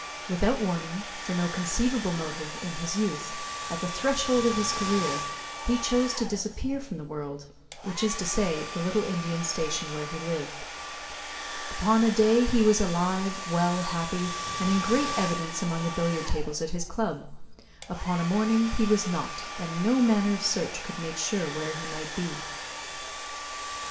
Without warning, for no conceivable motive, in his youth, at the threshold of his career he chose to disappear from the world which is to say, the little Indian station where he lived. Upon a day he was alive, well, happy, and in great evidence among the billiard tables at his Club. Upon a morning, he was not, and no manner of search could make sure where he might be.